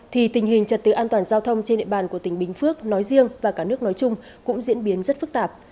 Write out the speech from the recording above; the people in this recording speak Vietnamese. thì tình hình trật tự an toàn giao thông trên địa bàn của tỉnh bình phước nói riêng và cả nước nói chung cũng diễn biến rất phức tạp